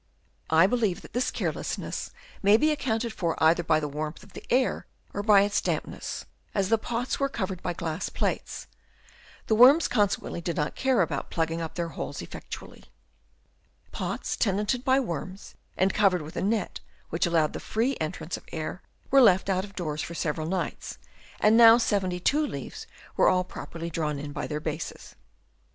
I believe that this carelessness may be accounted for either by the warmth of the air, or by its dampness, as the pots were covered by glass plates ; the worms consequently did not care about plugging up their holes effectually. Pots tenanted by worms and covered with a net which allowed the free entrance of air, were left out of doors for several nights, and now 72 leaves were all properly drawn in by their bases. 78 HABITS OF WORMS. Chap. II.